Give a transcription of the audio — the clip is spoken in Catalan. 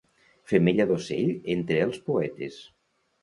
Femella d'ocell entre els poetes.